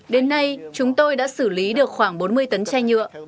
đến nay chúng tôi đã xử lý được khoảng bốn mươi tấn chai nhựa